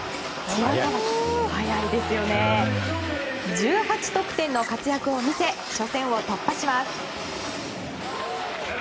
１８得点の活躍を見せ初戦を突破します。